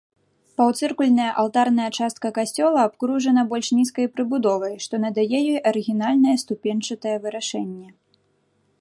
Паўцыркульная алтарная частка касцёла абкружана больш нізкай прыбудовай, што надае ёй арыгінальнае ступеньчатае вырашэнне.